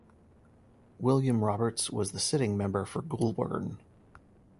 William Roberts was the sitting member for Goulburn.